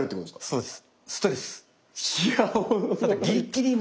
そうです。